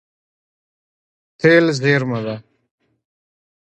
تېل زیرمه ده.